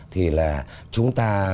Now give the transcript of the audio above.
thì là chúng ta